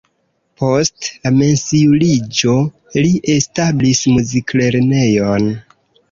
Post la pensiuliĝo li establis muziklernejon.